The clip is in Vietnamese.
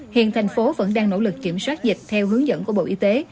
hiện thành phố vẫn đang nỗ lực kiểm soát dịch theo hướng dẫn của bộ y tế